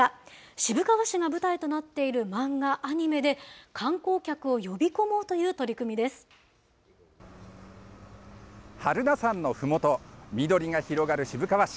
渋川市が舞台となっている漫画、アニメで観光客を呼び込もうとい榛名山のふもと、緑が広がる渋川市。